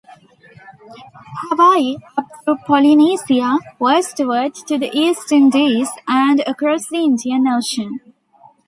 Hawaii, up through Polynesia, westward to the East Indies and across the Indian Ocean.